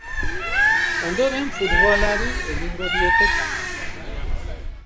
Ondoren, futbolari egingo diote tarte.